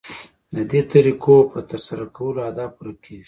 ددې طریقو په ترسره کولو اهداف پوره کیږي.